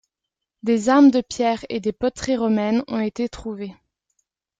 Des armes de pierre et des poteries romaines ont été trouvées.